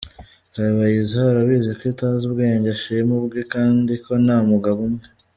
Kabayiza arabizi ko utazi ubwenge ashima ubwe kandi ko nta mugabo umwe.